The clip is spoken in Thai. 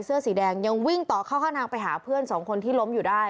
เสื้อสีแดงยังวิ่งต่อเข้าข้างทางไปหาเพื่อนสองคนที่ล้มอยู่ได้